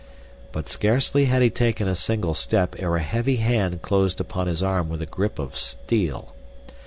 But scarcely had he taken a single step ere a heavy hand closed upon his arm with a grip of steel.